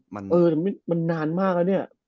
มันนานมากอ่ะเนี่ย